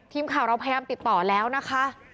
ทีมข่าวเราพยายามติดต่อแล้วนะคะ